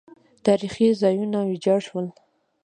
تاریخي ځایونه ویجاړ شول